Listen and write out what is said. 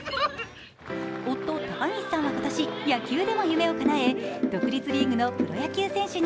夫・高岸さんは今年、野球でも夢をかなえ独立リーグのプロ野球選手に。